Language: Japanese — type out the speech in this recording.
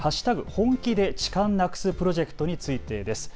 本気で痴漢なくすプロジェクトについてです。